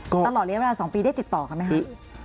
ตลอดระยะเวลา๒ปีได้ติดต่อกันไหมคะ